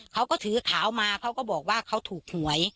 เขาก็ถือขาวมาเขาก็บอกว่าเขาถูกหวย